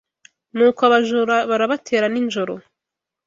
ni uko abajura barabatera ninjoro